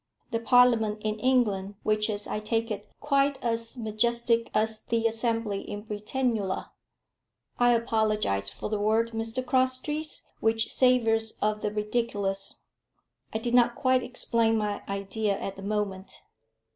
The Parliament in England, which is, I take it, quite as majestic as the Assembly in Britannula " "I apologise for the word, Mr Crosstrees, which savours of the ridiculous. I did not quite explain my idea at the moment."